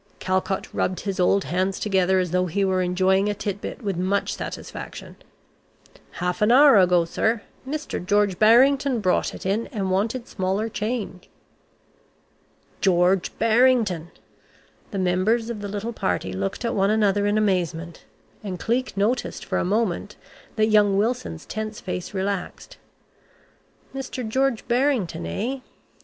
Calcott rubbed his old hands together as though he were enjoying a tit bit with much satisfaction. "Half an hour ago, sir, Mr. George Barrington brought it in, and wanted smaller change." George Barrington! The members of the little party looked at one another in amazement, and Cleek noticed for a moment that young Wilson's tense face relaxed. Mr. George Barrington, eh?